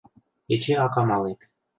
Эче ак амалеп.